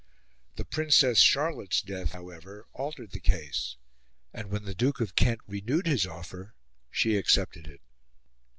The Princess Charlotte's death, however, altered the case; and when the Duke of Kent renewed his offer, she accepted it.